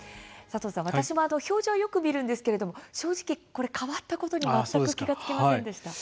私も表示をよく見るんですけど正直、変わったことに何も気がつきませんでした。